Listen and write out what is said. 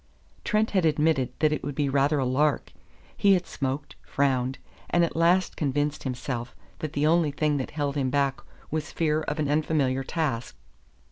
Trent had admitted that it would be rather a lark; he had smoked, frowned, and at last convinced himself that the only thing that held him back was fear of an unfamiliar task.